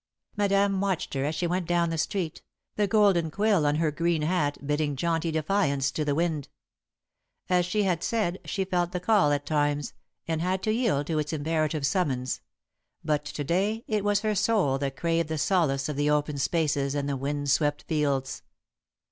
Madame watched her as she went down the street, the golden quill on her green hat bidding jaunty defiance to the wind. As she had said, she felt the call at times, and had to yield to its imperative summons, but to day it was her soul that craved the solace of the open spaces and the wind swept fields.